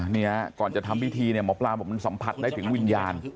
เนี่ยก่อนจะทำพิธีเนี่ยหมอปลาบอกมันสัมผัสได้ถึงวิญญาณ